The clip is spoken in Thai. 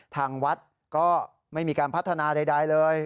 ทางวัดก็ไม่มีการพัฒนาใดเลย